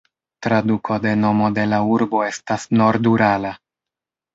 Traduko de nomo de la urbo estas "nord-Urala".